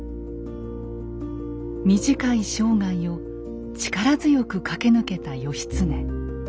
短い生涯を力強く駆け抜けた義経。